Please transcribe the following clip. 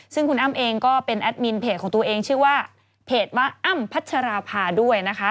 ซึ่งคุณอ้ำเองก็เป็นแอดมินเพจของตัวเองชื่อว่าเพจว่าอ้ำพัชราภาด้วยนะคะ